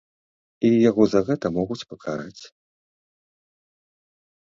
І яго за гэта могуць пакараць.